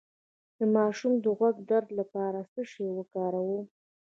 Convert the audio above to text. د ماشوم د غوږ د درد لپاره څه شی وکاروم؟